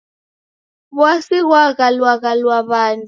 W'asi ghwaghaluagha w'andu.